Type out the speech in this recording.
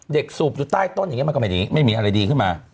สูบอยู่ใต้ต้นอย่างนี้มันก็ไม่มีอะไรดีขึ้นมา